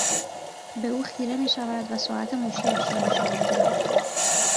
به او خیره میشود و ساعت مچیاش را نشان میدهد